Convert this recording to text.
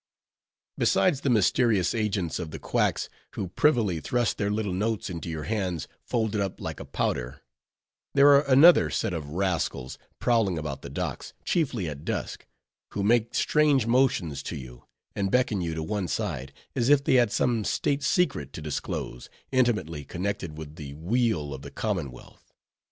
Besides the mysterious agents of the quacks, who privily thrust their little notes into your hands, folded up like a powder; there are another set of rascals prowling about the docks, chiefly at dusk; who make strange motions to you, and beckon you to one side, as if they had some state secret to disclose, intimately connected with the weal of the commonwealth.